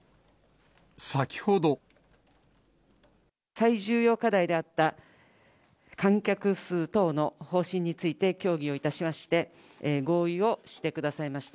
最重要課題であった、観客数等の方針について協議をいたしまして、合意をしてくださいました。